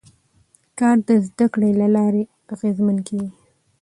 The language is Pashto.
کار د زده کړې له لارې لا اغېزمن کېږي